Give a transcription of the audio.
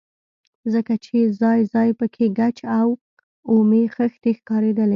ځکه چې ځاى ځاى پکښې ګچ او اومې خښتې ښکارېدلې.